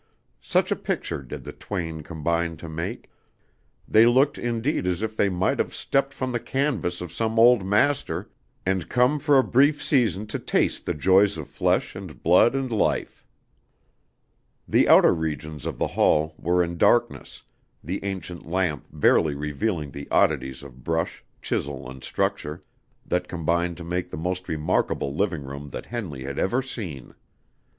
Such a picture did the twain combine to make; they looked indeed as if they might have stepped from the canvas of some old master and come for a brief season to taste the joys of flesh and blood and life. The outer regions of the hall were in darkness, the ancient lamp barely revealing the oddities of brush, chisel, and structure, that combined to make the most remarkable living room that Henley had ever seen.